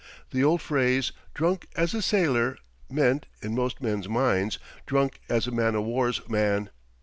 The old phrase, "Drunk as a sailor," meant, in most men's minds, drunk as a man o' war's man.